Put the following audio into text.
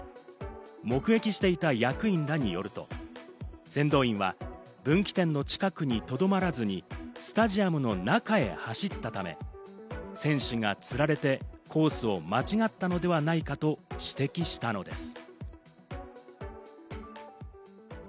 目撃していた役員らによると、先導員は分岐点の近くにとどまらずにスタジアムの中へ走ったため、選手がつられてコースを間違ったのではないかと指摘したのです。